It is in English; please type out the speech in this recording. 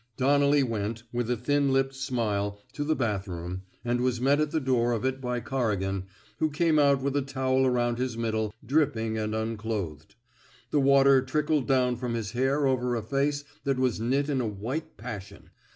Donnelly went, with a thin lipped smile, to the bathroom, and was met at the door of it by Corrigan, who came out with a towel around his middle, dripping and unclothed. The water trickled down from his hair over a face that was knit in a white passion.